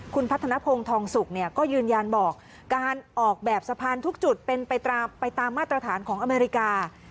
คุณพัฒนภงทองสุกก็ยืนยันบอกการออกแบบสะพานทุกจุดเป็นไปตามมาตรฐานของอเมริกา